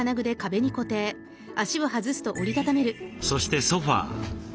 そしてソファー。